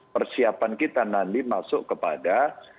persiapan kita nanti masuk kepada